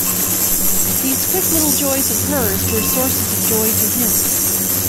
These quick little joys of hers were sources of joy to him.